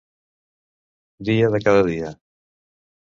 Dia de cada dia.